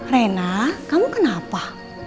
rena kamu kenapa